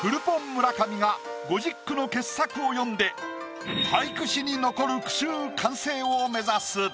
村上が５０句の傑作を詠んで俳句史に残る句集完成を目指す。